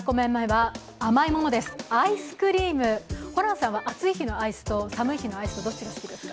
ホランさんは暑い日のアイスと寒い日のアイス、どっちが好きですか？